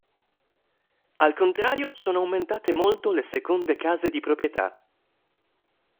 Al contrario sono aumentate molto le seconde case di proprietà.